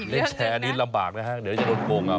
เล่นแชร์อันนี้ลำบากนะฮะเดี๋ยวจะโดนโกงเอา